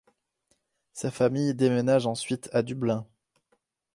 Sa famille déménage ensuite à Dublin.